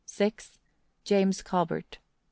James Culbert. 7.